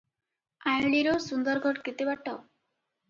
ଆଇଁଲିରୁ ସୁନ୍ଦରଗଡ଼ କେତେ ବାଟ?